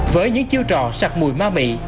với những chiêu trò sặc mùi ma mị